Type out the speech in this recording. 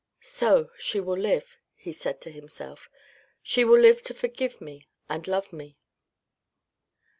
"So she will live," he said to himself. "She will live to forgive me and love me."